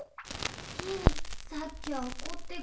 ひーさっきはおこってごめん。